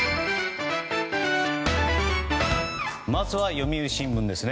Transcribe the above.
まずは読売新聞です。